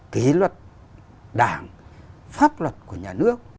kỷ luật đảng pháp luật của nhà nước